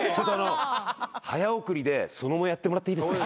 早送りでやってもらっていいですか？